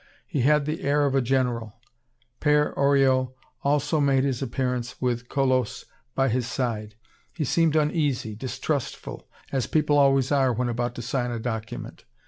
He had the air of a general. Père Oriol also made his appearance with Colosse by his side. He seemed uneasy, distrustful, as people always are when about to sign a document.